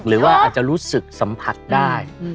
หรือว่าอาจจะรู้สึกสัมผัสได้